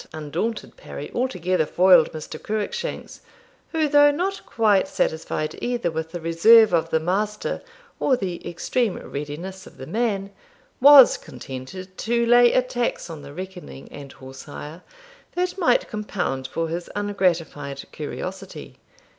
This last undaunted parry altogether foiled Mr. Cruickshanks, who, though not quite satisfied either with the reserve of the master or the extreme readiness of the man, was contented to lay a tax on the reckoning and horse hire that might compound for his ungratified curiosity.